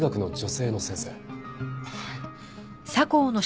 はい。